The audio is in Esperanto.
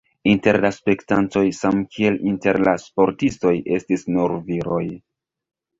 Inter la spektantoj samkiel inter la sportistoj estis nur viroj.